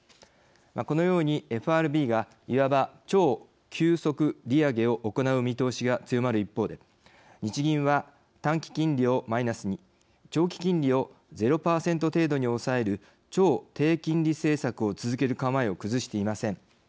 このようにＦＲＢが、いわば超急速利上げを行う見通しが強まる一方で日銀は、短期金利をマイナスに長期金利をゼロ％程度に抑える超低金利政策を続ける構えを崩していません。